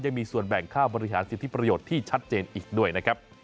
ยังมีส่วนแบ่งค่าบริหารสิทธิประโยชน์ที่ชัดเจนอีกด้วยนะครับ